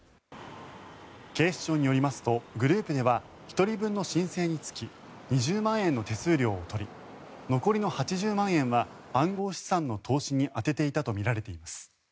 警視庁によりますとグループでは１人分の申請につき２０万円の手数料を取り残りの８０万円は暗号資産の投資に充てていたとみられています。